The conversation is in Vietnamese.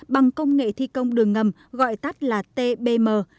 bằng công nghệ thi công đường ngầm gọi tắt là tbm